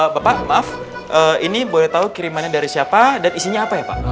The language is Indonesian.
bapak maaf ini boleh tahu kirimannya dari siapa dan isinya apa ya pak